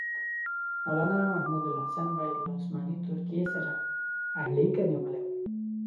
مولنا محمودالحسن باید له عثماني ترکیې سره اړیکه نیولې وای.